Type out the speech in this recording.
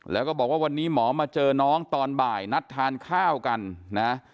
แล้วก็บอกว่าวันนี้หมอมาเจอน้องตอนบ่ายนัดทานข้าวกันนะ